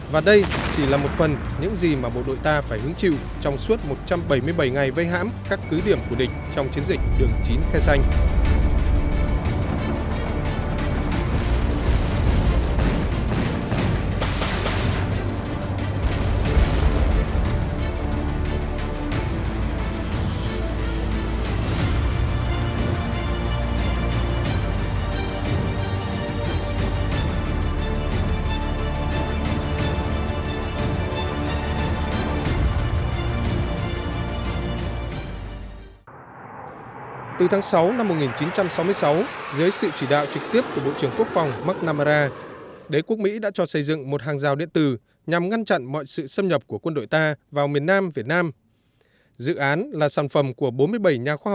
và đây chỉ là một phần những gì mà bộ đội ta phải hứng chịu trong suốt một trăm bảy mươi bảy ngày vây hãm các cứ điểm của địch trong chiến dịch đường chín khe xanh